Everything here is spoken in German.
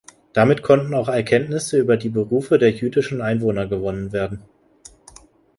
Damit konnten auch Erkenntnisse über die Berufe der jüdischen Einwohner gewonnen werden.